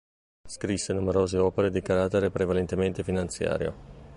Scrisse numerose opere di carattere prevalentemente finanziario.